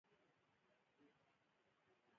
دا قیر د سرک په سطحه په اسانۍ پاشل کیږي